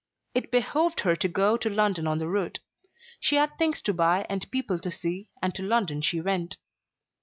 It behoved her to go to London on the route. She had things to buy and people to see, and to London she went.